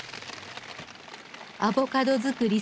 アボカド作り